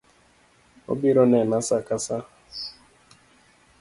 Obiro nena saa ka sa